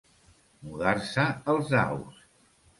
Mudar-se els daus.